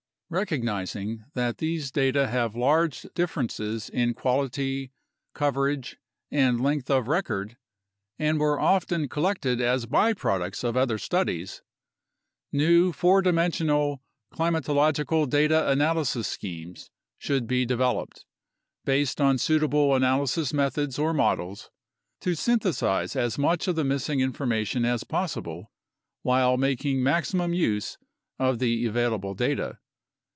Recognizing that these data have large differences in quality, cover 68 UNDERSTANDING CLIMATIC CHANGE age, and length of record and were often collected as by products of other studies, new four dimensional climatological data analysis schemes should be developed, based on suitable analysis methods or models, to synthesize as much of the missing information as possible while making maximum use of the available data.